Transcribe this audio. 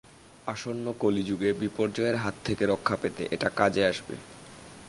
আসন্ন কলি যুগে, বিপর্যয়ের হাত থেকে রক্ষা পেতে এটা কাজে আসবে।